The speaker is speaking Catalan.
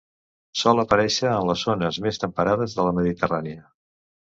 Sol aparèixer en les zones més temperades de la Mediterrània.